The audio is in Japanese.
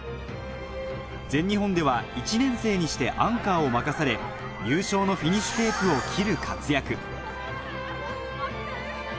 全日本では１年生にしてアンカーを任され優勝のフィニッシュテープを切る活躍